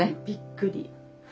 びっくり。